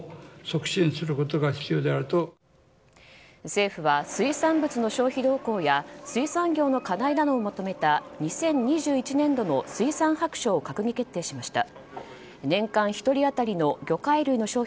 政府は水産物の消費動向や水産業の課題などをまとめた２０２１年度の水産白書を閣議決定しました。